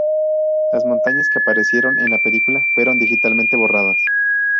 Las montañas que aparecieron en la película fueron digitalmente borradas.